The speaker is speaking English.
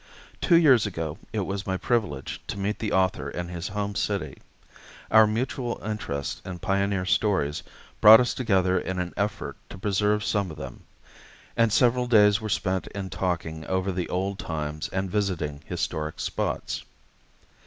Two years ago it was my privilege to meet the author in his home city. Our mutual interest in pioneer stories brought us together in an effort to preserve some of them, and several days were spent in talking over the old times and visiting historic spots.